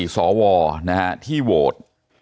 ๓๔สอวอนะฮะที่โหวต